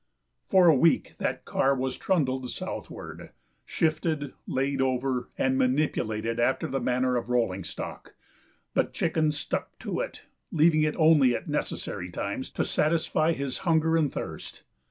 For a week that car was trundled southward, shifted, laid over, and manipulated after the manner of rolling stock, but Chicken stuck to it, leaving it only at necessary times to satisfy his hunger and thirst.